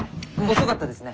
遅かったですね。